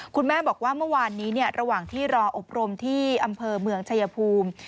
คุณแม่บอกว่าเมื่อวานนี้ระหว่างที่รออบรมที่อำเภอเมืองชายภูมิ